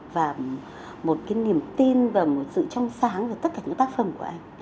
và một cái niềm tin và một sự trong sáng về tất cả những tác phẩm của anh